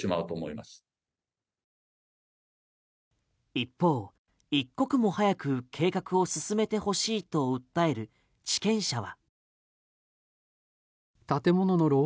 一方、一刻も早く計画を進めてほしいと訴える地権者は。